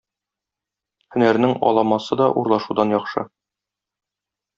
Һөнәрнең аламасы да урлашудан яхшы.